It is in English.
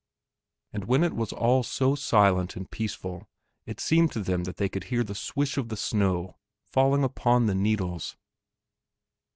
And when all was so silent and peaceful it seemed to them that they could hear the swish of the snow falling upon the needles.